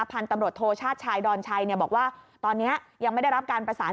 พันธุ์ตำรวจโทชาติชายดอนชัยบอกว่าตอนนี้ยังไม่ได้รับการประสาน